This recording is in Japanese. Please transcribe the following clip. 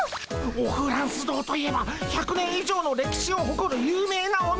オフランス堂といえば１００年以上の歴史をほこる有名なお店。